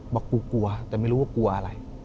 บอกกูกลัวแต่ไม่รู้ว่ากลัวอะไร